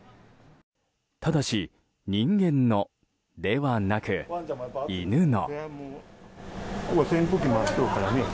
ただし、人間のではなく犬の。